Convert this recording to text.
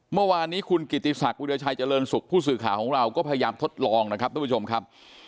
เมื่อวานนี้คุณกิติศักดิราชัยเจริญสุขผู้สื่อข่าวของเราก็พยายามทดลองนะครับทุกผู้ชมครับ